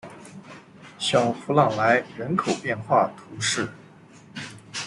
小普莱朗人口变化图示